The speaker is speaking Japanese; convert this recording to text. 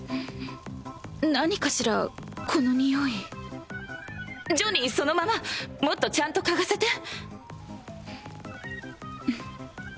何かしらこのニオイジョニーそのままもっとちゃんと嗅がせて！